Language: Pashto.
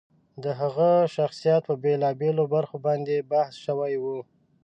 د هغه د شخصیت په بېلا بېلو برخو باندې بحث شوی و.